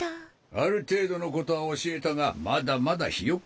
ある程度のことは教えたがまだまだヒヨッコじゃ。